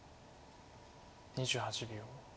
２８秒。